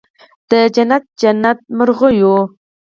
د جنت، جنت مرغېو